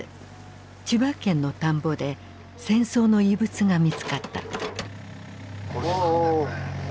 千葉県の田んぼで戦争の遺物が見つかった。